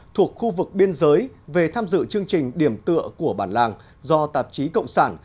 thuộc khu vực biên giới về tham dự chương trình điểm tựa của bản làng do tạp chí cộng sản